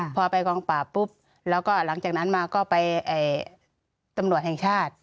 พอไปกองปราบปุ๊บแล้วก็หลังจากนั้นมาก็ไปตำรวจแห่งชาติ